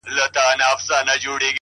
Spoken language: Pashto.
سترگو کي باڼه له ياده وباسم!